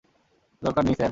দরকার নেই, স্যার।